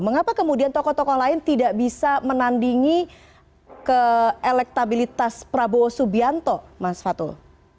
mengapa kemudian tokoh tokoh lain tidak bisa menandingi ke elektabilitas prabowo subianto mas fatul